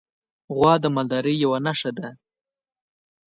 غوا د مالدارۍ یوه نښه ده.